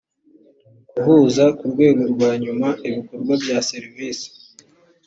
guhuza ku rwego rwa nyuma ibikorwa bya serivisi